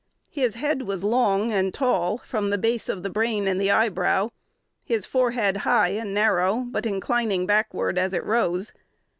His "head was long, and tall from the base of the brain and the eyebrow;" his forehead high and narrow, but inclining backward as it rose.